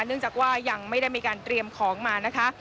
เนื่องจากว่ายังไม่ได้มีการเตรียมของมานะคะ